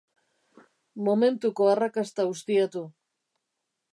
Momentuko arrakasta ustiatu.